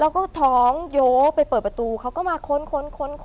แล้วก็ท้องโย้ไปเปิดประตูเขาก็มาค้น